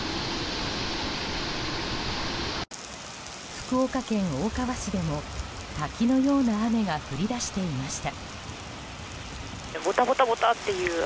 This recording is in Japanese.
福岡県大川市でも滝のような雨が降り出していました。